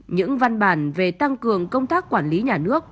những văn bản về tăng cường công tác quản lý nhà nước